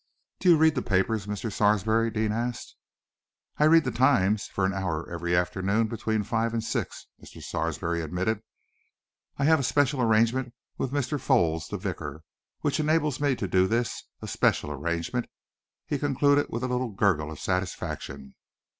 "Do you read the papers, Mr. Sarsby?" Deane asked. "I read the Times for an hour every afternoon between five and six," Mr. Sarsby admitted. "I have a special arrangement with Mr. Foulds the vicar which enables me to do this, a special arrangement!" he concluded, with a little gurgle of satisfaction.